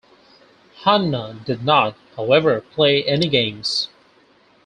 Hanna did not, however, play any games.